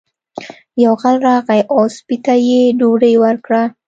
یو غل راغی او سپي ته یې ډوډۍ ورکړه.